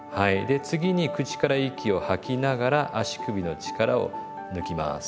で次に口から息を吐きながら足首の力を抜きます。